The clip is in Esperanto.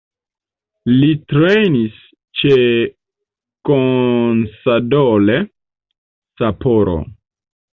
Li trejnis ĉe Consadole Sapporo.